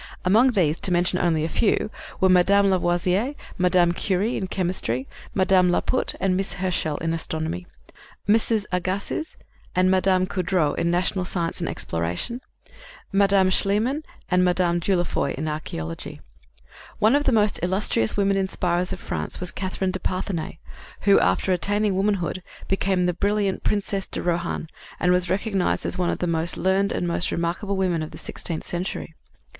Among these to mention only a few were Mme. Lavoisier and Mme. Curie in chemistry, Mme. Lapaute and Miss Herschel in astronomy, Mrs. Agassiz and Mme. Coudreau in natural science and exploration, Mme. Schliemann and Mme. Dieulafoy in archæology. One of the most illustrious women inspirers of France was Catherine de Parthenay, who, after attaining womanhood, became the brilliant Princess de Rohan, and was recognized as one of the most learned and most remarkable women of the sixteenth century.